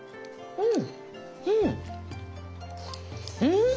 うん。